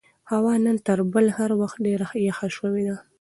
هوا نن تر بل هر وخت ډېره یخه شوې ده.